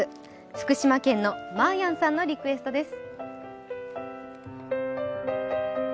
福島県のまやんさんのリクエストです。